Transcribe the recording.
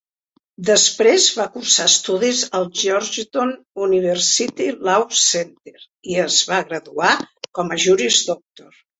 Després va cursar estudis al Georgetown University Law Center i es va graduar com a Juris Doctor.